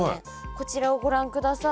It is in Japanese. こちらをご覧ください。